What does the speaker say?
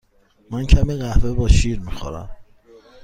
من کمی قهوه با شیر می خورم.